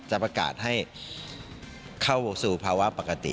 จะประกาศให้เข้าสู่ภาวะปกติ